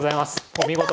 お見事。